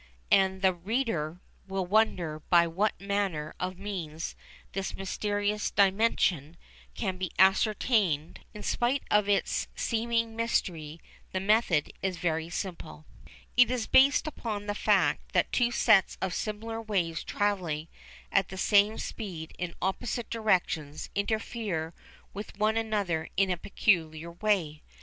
And the reader will wonder by what manner of means this mysterious dimension can be ascertained. In spite of its seeming mystery the method is very simple. It is based upon the fact that two sets of similar waves travelling at the same speed in opposite directions interfere with one another in a peculiar way.